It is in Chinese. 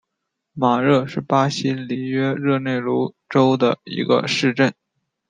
马热是巴西里约热内卢州的一个市镇。